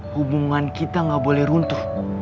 hubungan kita gak boleh runtuh